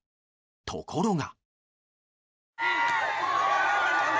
ところが。